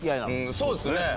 そうですね。